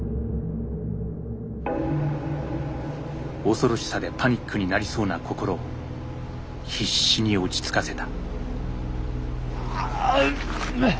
恐ろしさでパニックになりそうな心を必死に落ち着かせた。